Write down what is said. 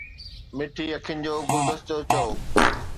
مٺي اکين جو گلدستو چئو